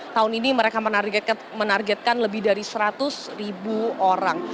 tahun ini mereka menargetkan lebih dari seratus ribu orang